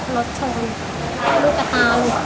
รถชนลูกตาหนู